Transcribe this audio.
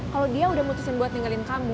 kalo dia udah mutusin buat tinggalin kamu